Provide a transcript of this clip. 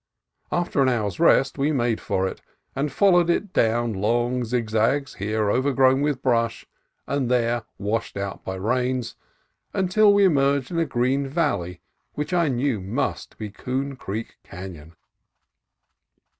After an hour's rest we made for it, and followed it down long zigzags, here over grown with brush and there washed out by rains, until we emerged in a green valley which I knew must be Coon Creek Canon.